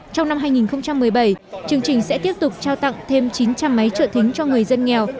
trong năm hai nghìn một mươi bảy chương trình sẽ tiếp tục trao tặng thêm chín trăm linh máy trợ thính cho người dân nghèo